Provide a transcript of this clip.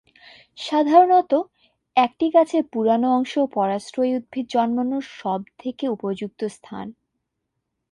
সাধারণত, একটি গাছের পুরানো অংশ পরাশ্রয়ী উদ্ভিদ জন্মানোর সব থেকে উপযুক্ত স্থান।